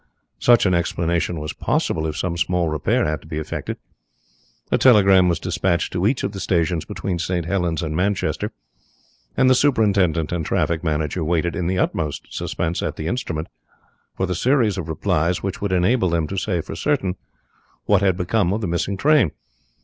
Such an explanation was possible if some small repair had to be effected. A telegram was dispatched to each of the stations between St. Helens and Manchester, and the superintendent and traffic manager waited in the utmost suspense at the instrument for the series of replies which would enable them to say for certain what had become of the missing train.